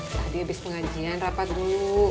tadi abis pengajian rapat dulu